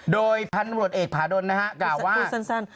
โดยพันธุ์บริษัทเอกภาดลนะครับกล่าวว่าพูดสั้น